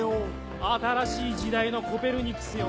新しい時代のコペルニクスよ